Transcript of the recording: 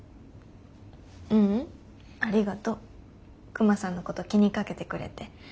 クマさんのこと気にかけてくれて。